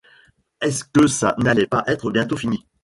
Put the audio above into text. Est-ce que ça n’allait pas être bientôt fini